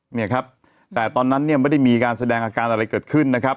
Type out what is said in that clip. เนี่ยครับแต่ตอนนั้นเนี่ยไม่ได้มีการแสดงอาการอะไรเกิดขึ้นนะครับ